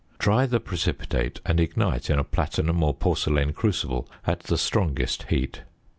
Dry the precipitate, and ignite in a platinum or porcelain crucible at the strongest heat.